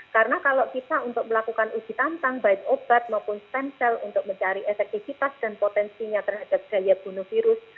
karena kalau kita untuk melakukan uji tantang baik obat maupun stem cell untuk mencari efek ekipas dan potensinya terhadap gaya bunuh virus